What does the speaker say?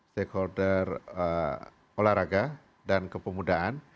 stakeholder olahraga dan kepemudaan